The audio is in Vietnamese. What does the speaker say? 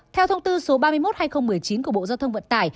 theo thông tư số ba mươi một hai nghìn một mươi chín của bộ giao thông vận tải